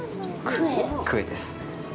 クエです